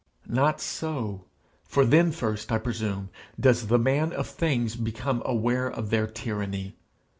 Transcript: Not so! for then first, I presume, does the man of things become aware of their tyranny.